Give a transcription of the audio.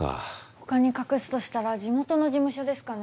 他に隠すとしたら地元の事務所ですかね。